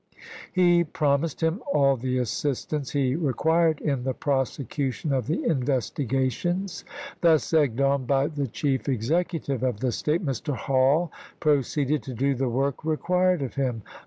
He promised him all the assistance he required in the prosecution of the in vestigations. Thus egged on by the chief executive of the State, Mr. Hall proceeded to do the work required of him.